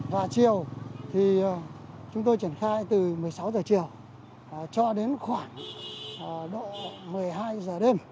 và chiều thì chúng tôi triển khai từ một mươi sáu giờ chiều cho đến khoảng độ một mươi hai giờ đêm